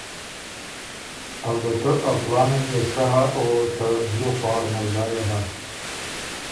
البته ا کُلانن يې سۀ هۀ او ته دیو خوار مرزا يې ھۀ۔